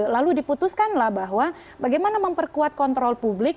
lalu diputuskanlah bahwa bagaimana memperkuat kontrol publik